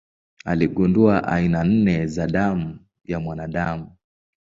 Aligundua aina nne za damu ya mwanadamu.